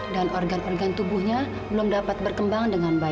dan organ organ tubuhnya belum dapat berkembang